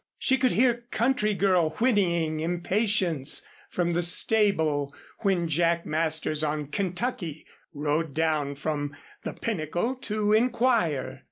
She could hear "Country Girl" whinnying impatience from the stable when Jack Masters on "Kentucky" rode down from "The Pinnacle" to inquire.